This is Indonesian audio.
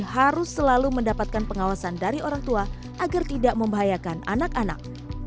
harus selalu mendapatkan pengawasan dari orang tua agar tidak membahayakan anak anak